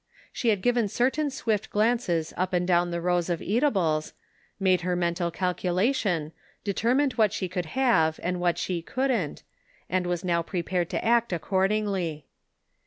She had given certain swift glances up and down the rows of eat Their Jewels. 41 ables, made her mental calculation, determined what she could have and what she couldn't, and was now prepared to act accordingly.